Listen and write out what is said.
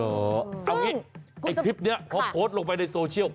เอาอย่างนี้คลิปนี้เขาโพสต์ลงไปในโซเชียล